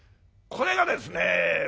これがですね